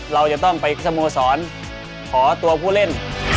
เราจะต้องไปสโมสรขอตัวผู้เล่น